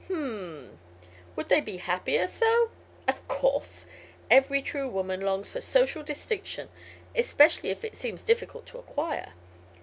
"H m m. Would they be happier so?" "Of course. Every true woman longs for social distinction, especially if it seems difficult to acquire.